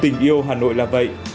tình yêu hà nội là vậy